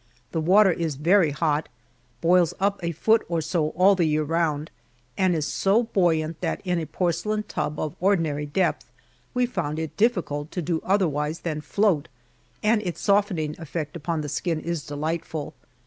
The water is very hot boils up a foot or so all the year round, and is so buoyant that in a porcelain tub of ordinary depth we found it difficult to do otherwise than float, and its softening effect upon the skin is delightful.